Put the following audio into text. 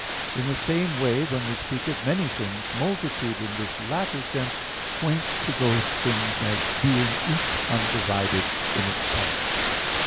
In the same way, when we speak of many things, multitude in this latter sense points to those things as being each undivided in itself.